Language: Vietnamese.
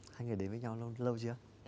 hai người đến với nhau lâu chưa